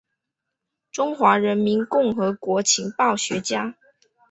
中华人民共和国情报学家。